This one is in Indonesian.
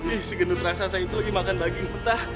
ih si gendut raksasa itu makan daging mentah